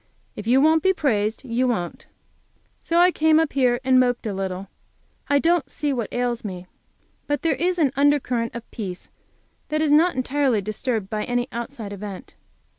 "If you won't be praised, you won't." So I came up here and moped a little. I don't see what ails me. But there is an under current of peace that is not entirely disturbed by any outside event.